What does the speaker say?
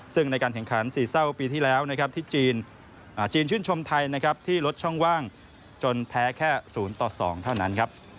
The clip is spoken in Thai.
ซึ่งในการแข่งขันสี่เศร้าปีที่แล้วที่จีนชื่นชมไทยที่ลดช่องว่างจนแพ้แค่๐๒เท่านั้น